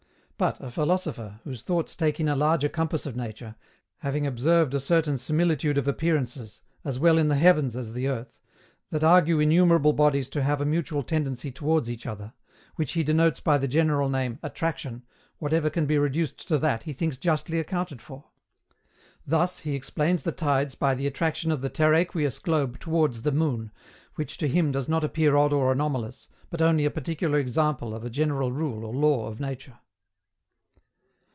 But a philosopher, whose thoughts take in a larger compass of nature, having observed a certain similitude of appearances, as well in the heavens as the earth, that argue innumerable bodies to have a mutual tendency towards each other, which he denotes by the general name "attraction," whatever can be reduced to that he thinks justly accounted for. Thus he explains the tides by the attraction of the terraqueous globe towards the moon, which to him does not appear odd or anomalous, but only a particular example of a general rule or law of nature.